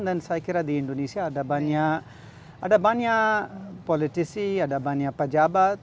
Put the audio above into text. dan saya kira di indonesia ada banyak politisi ada banyak pejabat